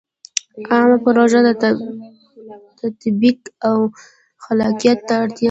عامه پروژو تطبیق او خلاقیت ته اړ دی.